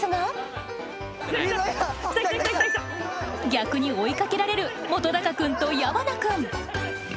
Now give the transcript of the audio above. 逆に追いかけられる本君と矢花君。